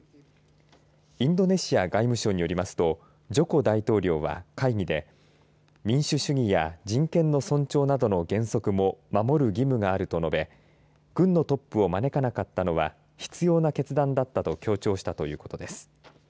インドネシア外務省によりますとジョコ大統領は会議で民主主義や人権の尊重などの原則も守る義務があると述べ軍のトップを招かなかったのは必要な決断だったと強調したということです。